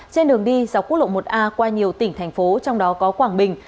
trên đường đi dọc quốc lộ một a qua nhiều tỉnh thành phố trong đó có quảng bình